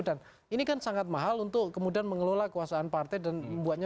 dan ini kan sangat mahal untuk kemudian mengelola kekuasaan partai dan membuatnya